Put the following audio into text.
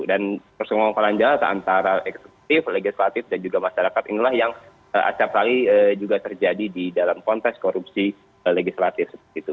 dan persenggolan jalan antara eksekutif legislatif dan juga masyarakat inilah yang asal salih juga terjadi di dalam kontes korupsi legislatif